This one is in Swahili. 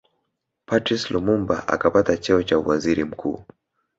Patrice Lumumba akapata cheo cha uwaziri mkuu